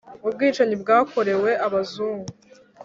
ubwicanyi bwakorewe abazungu